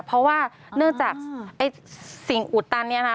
เพราะว่าเนื่องจากสิ่งอุดตันนี่นะ